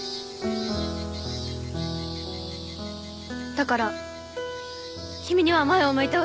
だから君には前を向いてほしい。